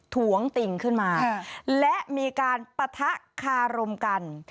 ถวงติ่งขึ้นมาและมีการปะทะคารมกัน